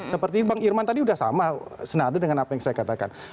seperti bang irman tadi sudah sama senada dengan apa yang saya katakan